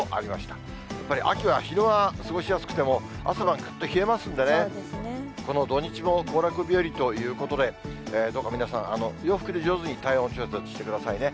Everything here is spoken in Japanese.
やっぱり秋は昼間、過ごしやすくても、朝晩、ぐっと冷えますんでね、この土日も行楽日和ということで、どうか皆さん、洋服で上手に体温調節してくださいね。